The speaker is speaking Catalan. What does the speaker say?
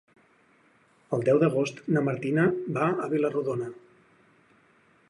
El deu d'agost na Martina va a Vila-rodona.